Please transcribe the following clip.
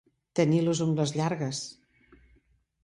Tenir les ungles llargues.